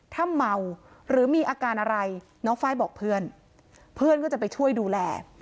ถ้าเมาหรือมีอาการอะไรน้องไฟล์บอกเพื่อนเพื่อนก็จะไปช่วยดูแล